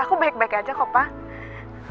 aku baik baik aja kok pak